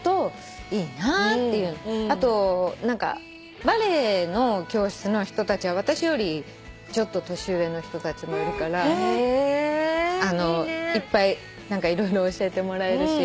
あとバレエの教室の人たちは私よりちょっと年上の人たちもいるからいっぱい何か色々教えてもらえるし。